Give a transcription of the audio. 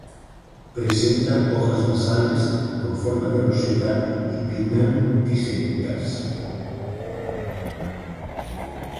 Presenta hojas basales con forma de roseta y pinnatisectas.